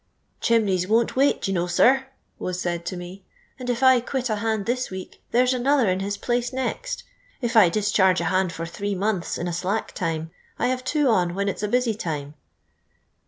" Ciiinineys won't wail, you know, sir," was ;iait'. to ]>ii\ *' and if I quit a hand this we«'k. there V ai.'>tiier in his place next. If I dischargi! a haiui for thivcr months in a sl.wk time, I have two on v. hen it's a busy time."